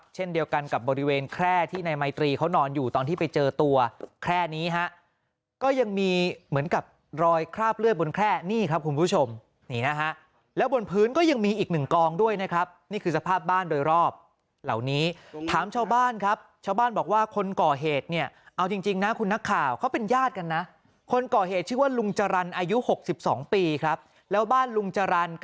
เช่นเดียวกันกับบริเวณแคร่ที่นายไมตรีเขานอนอยู่ตอนที่ไปเจอตัวแค่นี้ฮะก็ยังมีเหมือนกับรอยคราบเลือดบนแคร่นี่ครับคุณผู้ชมนี่นะฮะแล้วบนพื้นก็ยังมีอีกหนึ่งกองด้วยนะครับนี่คือสภาพบ้านโดยรอบเหล่านี้ถามชาวบ้านครับชาวบ้านบอกว่าคนก่อเหตุเนี่ยเอาจริงนะคุณนักข่าวเขาเป็นญาติกันนะคนก่อเหตุชื่อว่าลุงจรรย์อายุ๖๒ปีครับแล้วบ้านลุงจรรย์